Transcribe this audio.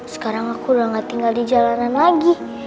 sekarang aku udah gak tinggal di jalanan lagi